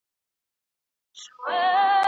موږ د خپل هېواد د پرمختګ لپاره هڅې کوو.